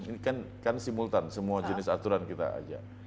ini kan simultan semua jenis aturan kita ajak